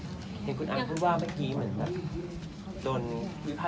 มันแบบโดนวิภาพวิจารณ์เหมือนกัน